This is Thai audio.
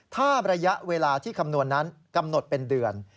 ถ้าระยะเวลาที่คำนวณนั้นกำหนดเป็นเดือน